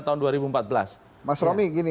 tahun dua ribu empat belas mas romi gini